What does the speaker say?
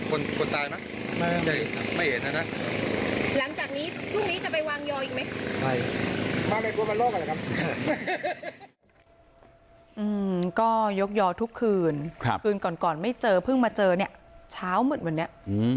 ก็ยกยอทุกคืนคืนก่อนไม่เจอเพิ่งมาเจอเนี่ยเช้ามืดวันนี้